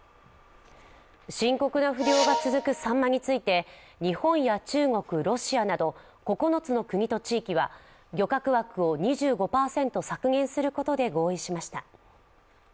深刻な不漁が続くサンマについて、日本や中国、ロシアなど９つの国と地域は漁獲枠を２５％削減することで合意しました。